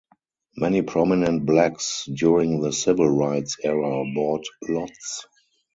Many prominent blacks during the civil rights era bought lots.